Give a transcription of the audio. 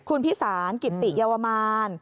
คุณพิสารกิติเยาวมาร